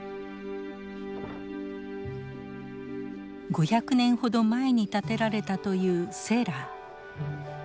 ５００年ほど前に建てられたというセラー。